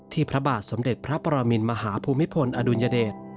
พระบาทสมเด็จพระปรมินมหาภูมิพลอดุลยเดช